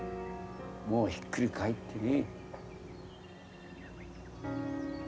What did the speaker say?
もうひっくり返ってね。